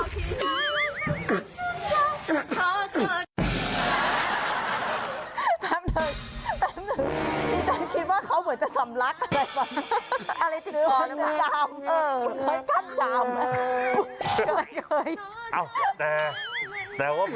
เดี๋ยวเอาเป็นว่าจะให้คุณชนะบีบ๊อค